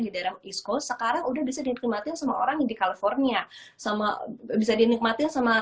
di daerah isco sekarang udah bisa dinikmatin sama orang di california sama bisa dinikmatin sama